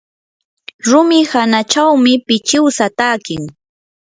rumi hanachawmi pichiwsa takin.